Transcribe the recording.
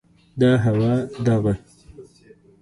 دا هوا، دغه